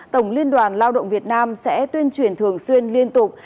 tổng liên đoàn lao động việt nam sẽ tuyên truyền thường xuyên liên tục